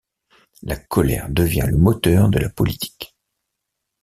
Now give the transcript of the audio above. La colère devient le moteur de la politique.